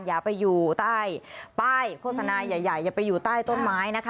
อย่าไปอยู่ใต้ป้ายโฆษณาใหญ่อย่าไปอยู่ใต้ต้นไม้นะคะ